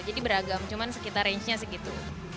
jadi beragam cuman sekitar range nya segitu